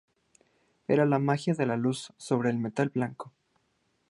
Era la magia de la luz sobre el metal blanco.